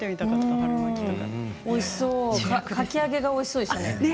かき揚げがおいしそうでしたね。